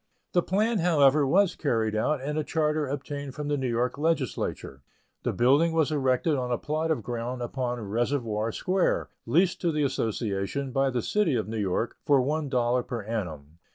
The plan, however, was carried out, and a charter obtained from the New York Legislature. The building was erected on a plot of ground upon Reservoir Square, leased to the association, by the City of New York, for one dollar per annum.